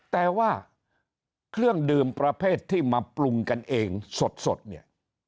แต่ว่าเครื่องดื่มประเภทที่มาปรุงกันเองสดเนี่ย